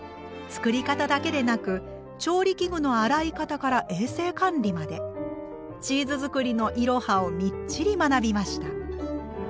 作り方だけでなく調理器具の洗い方から衛生管理までチーズ作りのイロハをみっちり学びました。